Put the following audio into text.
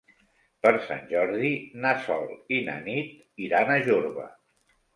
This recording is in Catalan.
Per Sant Jordi na Sol i na Nit iran a Jorba.